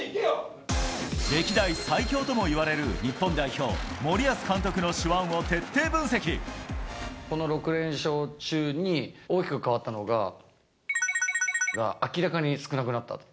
歴代最強ともいわれる日本代この６連勝中に大きく変わったのが、×××が明らかに少なくなったと。